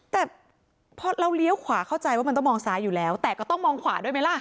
แต่พอเราเลี้ยวขวาเข้าใจว่ามันต้องมองซ้ายอยู่แล้วแต่ก็ต้องมองขวาด้วยไหมล่ะ